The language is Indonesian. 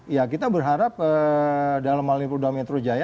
ya kita berharap dalam hal ini polda metro jaya